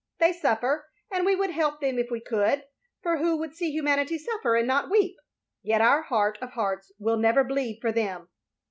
They stiffer, and we would help them if we could, for who would see humanity suffer and not weep? Yet our heart of hearts will never bleed for them.